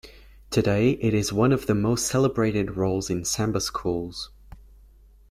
Today it is one of the most celebrated roles in samba schools.